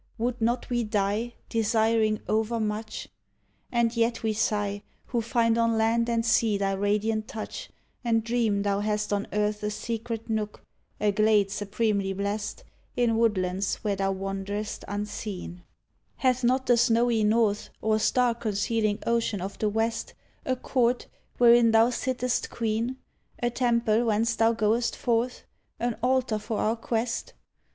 Would not we die. Desiring overmuch*? And yet we sigh, Who find on land and sea thy radiant touch And dream thou hast on earth a secret nook — A glade supremely blest In woodlands where thou wanderest unseen. 66 AN ALTJR OF "THE WES't Hath not the snowy North Or star concealing ocean of the West A court wherein thou sittest queen, A temple whence thou goest forth, An altar for our quest?